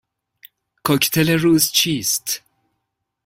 کوکتل روز چیست؟